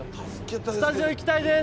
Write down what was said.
スタジオ行きたいです。